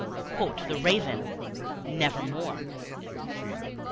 Quoth the Raven, "Nevermore."